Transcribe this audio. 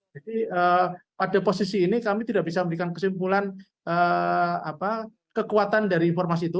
jadi pada posisi ini kami tidak bisa memberikan kesimpulan kekuatan dari informasi itu